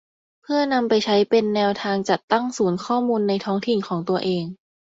เพื่อนำไปใช้เป็นแนวทางจัดตั้งศูนย์ข้อมูลในท้องถิ่นของตัวเอง